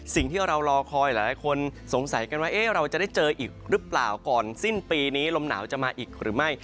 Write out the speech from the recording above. สิ่งที่เรารอคอยหลายคนสงสัยกันว่าเราจะได้เจออีกหรือเปล่าก่อนสิ้นปีนี้ลมหนาวจะมาอีกหรือไม่